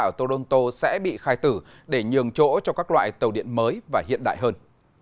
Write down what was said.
ở toronto sẽ bị khai tử để nhường chỗ cho các loại tàu điện mới và hiện đại hơn